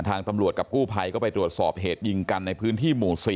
ทางตำรวจกับกู้ภัยก็ไปตรวจสอบเหตุยิงกันในพื้นที่หมู่๔